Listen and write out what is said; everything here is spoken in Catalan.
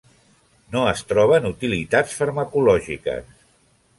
No es troben utilitats farmacològiques.